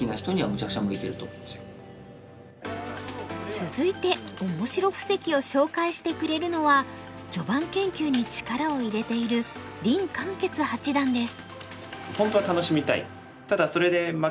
続いてオモシロ布石を紹介してくれるのは序盤研究に力を入れている林漢傑八段です。